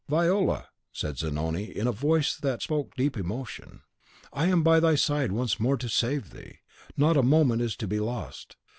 "Viola," said Zanoni, in a voice that spoke deep emotion, "I am by thy side once more to save thee. Not a moment is to be lost.